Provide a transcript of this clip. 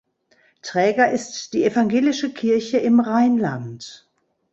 Träger ist die Evangelische Kirche im Rheinland.